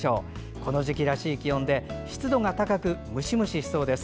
この時期らしい気温で湿度が高くムシムシしそうです。